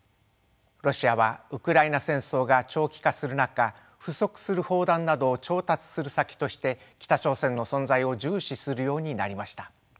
ロシアはウクライナ戦争が長期化する中不足する砲弾などを調達する先として北朝鮮の存在を重視するようになりました。